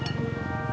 gue sama bapaknya